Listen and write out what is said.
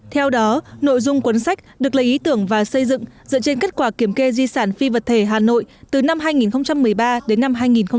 theo đó nội dung cuốn sách được lấy ý tưởng và xây dựng dựa trên kết quả kiểm kê di sản phi vật thể hà nội từ năm hai nghìn một mươi ba đến năm hai nghìn một mươi tám